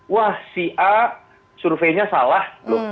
bahwa si a surveinya salah loh